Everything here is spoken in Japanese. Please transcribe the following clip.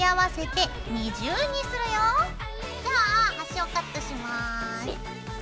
じゃあ端をカットします。